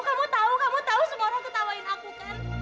kamu tahu kamu tahu semua orang ketawain aku kan